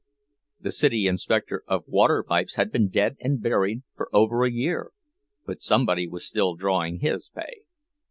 The city inspector of water pipes had been dead and buried for over a year, but somebody was still drawing his pay.